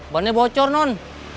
bannya bocor non